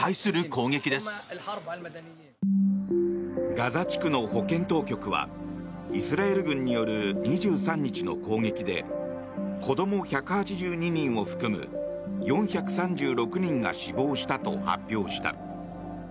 ガザ地区の保健当局はイスラエル軍による２３日の攻撃で子ども１８２人を含む４３６人が死亡したと発表した。